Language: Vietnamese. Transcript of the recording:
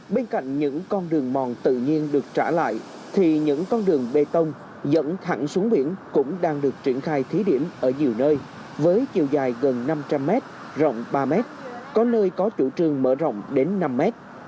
bên cạnh những con đường mòn tự nhiên được trả lại thì những con đường bê tông dẫn thẳng xuống biển cũng đang được triển khai thí điểm ở nhiều nơi với chiều dài gần năm trăm linh mét rộng ba mét có nơi có chủ trương mở rộng đến năm mét